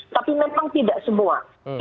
tapi memang tidak semua